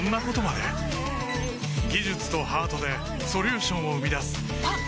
技術とハートでソリューションを生み出すあっ！